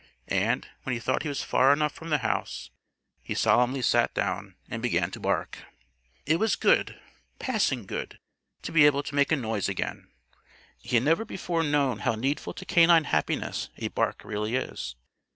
And, when he thought he was far enough from the house, he solemnly sat down and began to bark. It was good passing good to be able to make a noise again. He had never before known how needful to canine happiness a bark really is.